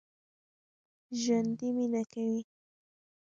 ژوندي مېنه کوي